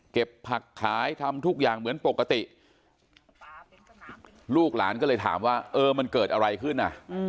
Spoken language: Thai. เก็บผักขายทำทุกอย่างเหมือนปกติลูกหลานก็เลยถามว่าเออมันเกิดอะไรขึ้นอ่ะ